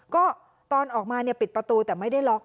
ก็ตอนออกมาเนี่ยปิดประตูแต่ไม่ได้ล็อก